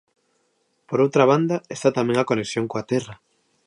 Por outra banda, está tamén a conexión coa terra.